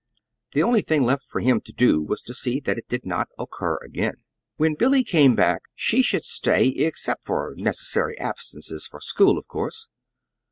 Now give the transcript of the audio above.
The only thing left for him to do was to see that it did not occur again. When Billy came back she should stay, except for necessary absences for school, of course.